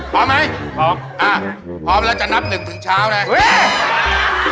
พร้อมไหมเพิ่มแล้วจะนับหนึ่งถึงเช้านะจะว๊ะ